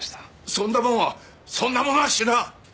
そんなものはそんなものは知らん！